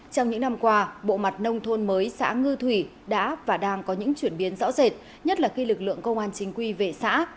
trong những năm qua bộ mặt nông thôn mới xã ngư thủy đã và đang có những chuyển biến rõ rệt nhất là khi lực lượng công an chính quy về xã